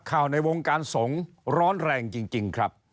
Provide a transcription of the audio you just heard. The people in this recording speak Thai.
ในวงการสงฆ์ร้อนแรงจริงครับ